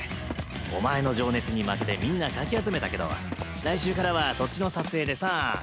お前の情熱に負けてみんなかき集めたけど来週からはそっちの撮影でさ。